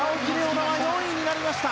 樹は４位になりました。